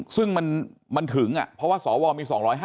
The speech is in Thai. ซึ่งมันถึงเพราะว่าสวมี๒๕